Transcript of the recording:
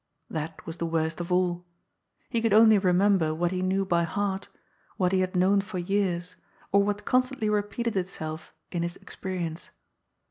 That was the worst of all. He could only remember what he knew by heart, what he had known for years, or what constantly repeated itself in his experience.